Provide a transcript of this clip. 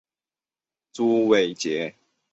朱伟捷。